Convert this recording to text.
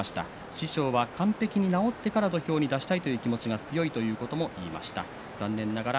師匠は完璧に治ってから土俵に出したいという気持ちが強いと言いました。